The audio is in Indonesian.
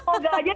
oh gak aja